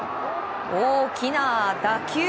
大きな打球。